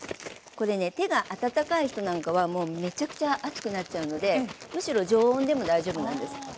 これね手が温かい人なんかはもうめちゃくちゃ熱くなっちゃうのでむしろ常温でも大丈夫なんです。